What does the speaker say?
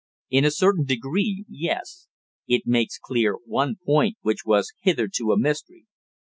"In a certain degree yes. It makes clear one point which was hitherto a mystery."